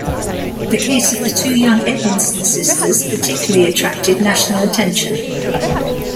The case of the two young Edmonson sisters particularly attracted national attention.